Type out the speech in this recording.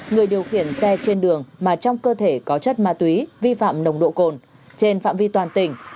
người điều khiển xe trên đường mà trong cơ thể có chất ma túy vi phạm nồng độ cồn trên phạm vi toàn tỉnh